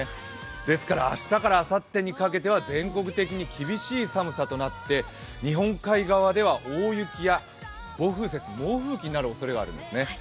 ですから明日からあさってにかけては全国的に厳しい寒さとなって、日本海側では大雪や暴風雪猛吹雪になるおそれがあるんです。